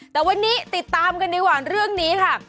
แต่วันนี้ติดตามกันดีกว่าเรื่องนี้ค่ะ